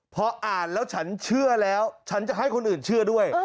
พออ่านแล้วฉันเชื่อแล้วฉันจะให้คนอื่นเชื่อด้วย